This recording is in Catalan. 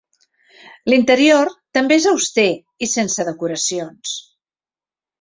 L'interior també és auster i sense decoracions.